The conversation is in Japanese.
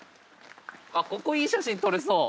ここいい写真撮れそう。